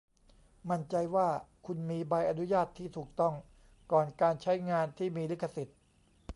มั่นใจว่าคุณมีใบอนุญาตที่ถูกต้องก่อนการใช้งานที่มีลิขสิทธิ์